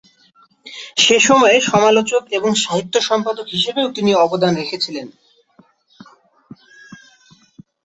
সে সময়ে সমালোচক এবং সাহিত্য-সম্পাদক হিসাবেও তিনি অবদান রেখেছিলেন।